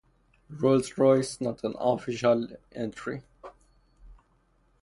Rolls Royce: Not an official entry.